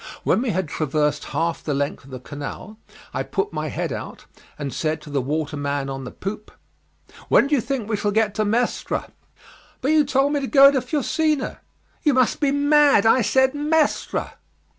When we had traversed half the length of the canal I put my head out, and said to the waterman on the poop, "When do you think we shall get to Mestre?" "But you told me to go to Fusina." "You must be mad; I said Mestre."